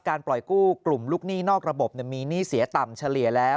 ปล่อยกู้กลุ่มลูกหนี้นอกระบบมีหนี้เสียต่ำเฉลี่ยแล้ว